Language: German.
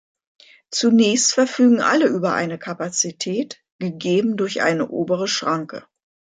Zunächst verfügen alle über eine "Kapazität", gegeben durch eine obere Schranke.